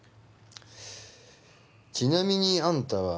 ちなみにあんたは。